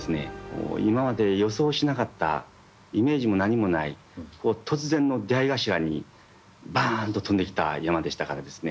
今まで予想しなかったイメージも何もない突然の出会い頭にバーンと飛んできた山でしたからですね